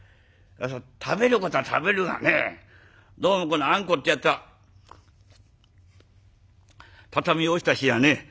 食べることは食べるがねどうもこのあんこってやつは畳に落ちた日にはね